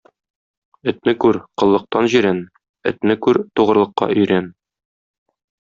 Этне күр — коллыктан җирән, этне күр — тугырылыкка өйрән!